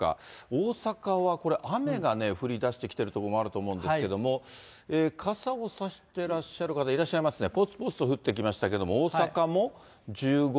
大阪はこれ、雨が降りだしてきてる所もあると思うんですけど、傘を差してらっしゃる方、いらっしゃいますね、ぽつぽつと降ってきましたけど、大阪も１５．８度。